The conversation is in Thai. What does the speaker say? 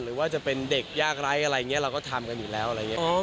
หรือว่าจะเป็นเด็กยากไร้อะไรอย่างนี้เราก็ทำกันอยู่แล้วอะไรอย่างนี้